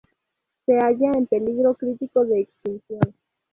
Se halla en peligro crítico de extinción.